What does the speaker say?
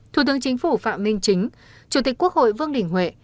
thủ tướng chính phủ phạm minh chính chủ tịch quốc hội vương đình huệ